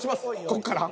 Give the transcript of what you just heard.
［こっから？］